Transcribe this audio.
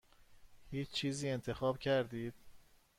هیچ چیزی انتخاب کردید؟